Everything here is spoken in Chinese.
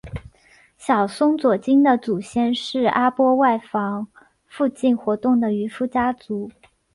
小松左京的祖先是阿波外房附近活动的渔夫家族。